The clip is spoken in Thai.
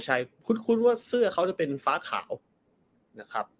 ใช่คุ้นว่าเสื้อเขาจะเป็นฟ้าขาวนะครับ